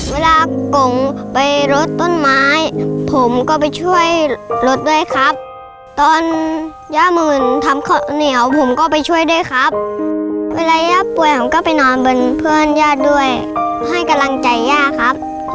เวลากงไปลดต้นไม้ผมก็ไปช่วยลดด้วยครับ